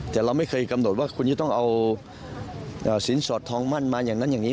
แต่เราไม่เคยกำหนดว่าคุณจะต้องเอาสินสอดทองมั่นมาอย่างนั้นอย่างนี้